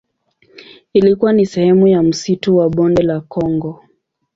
Ilikuwa ni sehemu ya msitu wa Bonde la Kongo.